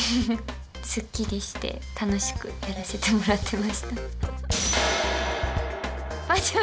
すっきりして楽しくやらせてもらってました。